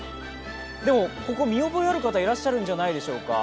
でもここ、見覚えある方いらっしゃるんじゃないでしょうか。